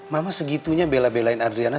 mama segitunya bela belain adriana